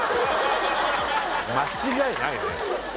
間違いないね